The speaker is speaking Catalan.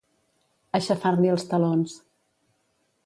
Aixafar-li els talons.